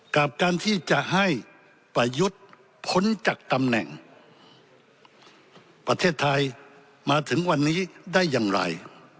กับการที่จะให้ประยุทธ์พ้นจากตำแหน่งประเทศไทยมาถึงวันนี้ได้อย่างไร